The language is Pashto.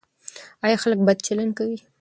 ایا خلک بد چلند کوي؟